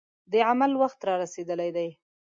د عمل وخت را رسېدلی دی.